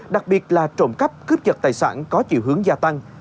đặc biệt là trộm cắp cướp dật tài sản có chiều hướng gia tăng